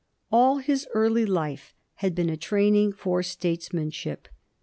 All his early life had been a training for statesmanship.